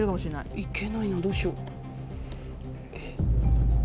行けないなどうしよう。